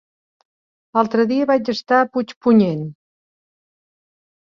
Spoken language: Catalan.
L'altre dia vaig estar a Puigpunyent.